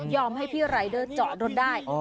ให้พี่รายเดอร์จอดรถได้